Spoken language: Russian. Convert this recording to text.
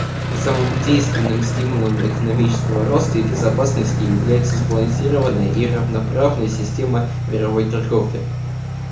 Самым действенным стимулом экономического роста и безопасности является сбалансированная и равноправная система мировой торговли.